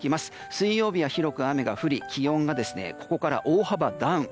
水曜日は広く雨が降り気温がここから大幅にダウン。